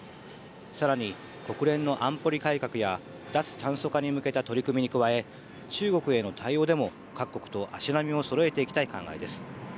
更に、国連の安保理改革や脱炭素化に向けた取り組みに加え中国への対応でも各国と足並みをそろえていきたい考えです。